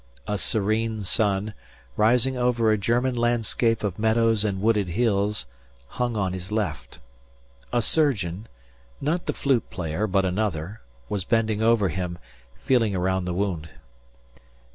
A serene sun, rising over a German landscape of meadows and wooded hills, hung on his left. A surgeon not the flute player but another was bending over him, feeling around the wound.